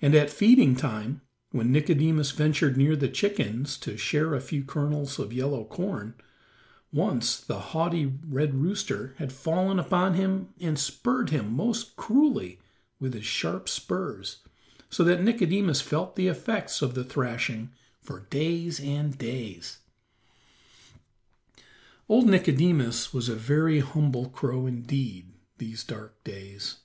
And at feeding time, when Nicodemus ventured near the chickens to share a few kernels of yellow corn, once the haughty red rooster had fallen upon him and spurred him most cruelly with his sharp spurs, so that Nicodemus felt the effects of the thrashing for days and days. Old Nicodemus was a very humble crow indeed these dark days.